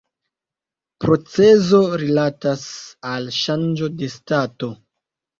Procezo rilatas al la ŝanĝo de stato.